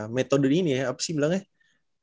metode ini ya apa sih bilangnya